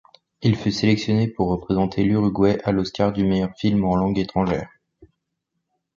Il fut sélectionné pour représenter l'Uruguay à l'Oscar du meilleur film en langue étrangère.